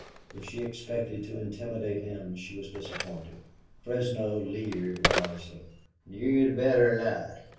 If she expected to intimidate him she was disappointed. Fresno leered wisely. "You'd better not.